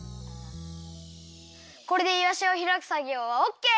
これでいわしをひらくさぎょうはオッケー！